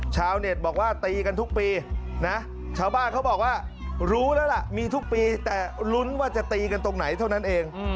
ชาวเน็ตบอกว่าตีกันทุกปีนะชาวบ้านเขาบอกว่ารู้แล้วล่ะมีทุกปีแต่ลุ้นว่าจะตีกันตรงไหนเท่านั้นเอง